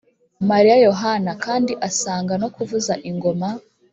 mariya yohana kandi asanga no kuvuza ingoma